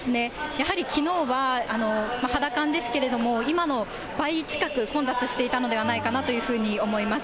やはりきのうは、肌感ですけれども、今の倍近く、混雑していたのではないかなというふうに思います。